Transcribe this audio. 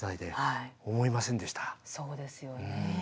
そうですよね。